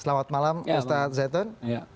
selamat malam ustaz zaitun